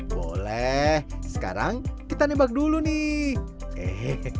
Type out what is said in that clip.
boleh sekarang kita nebak dulu nih